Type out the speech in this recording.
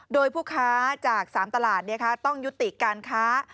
โดยผู้ค้าจาก๓ตลาดต้องยุติการค้า